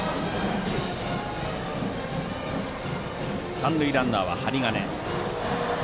三塁ランナーは針金。